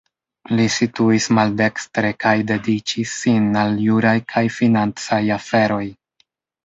Li situis maldekstre kaj dediĉis sin al juraj kaj financaj aferoj.